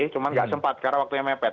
cuma nggak sempat karena waktunya mepet